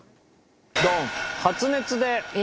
ドン！